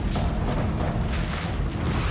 kita harus ke rumah